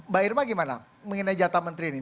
mbak irma gimana mengenai jatah menteri ini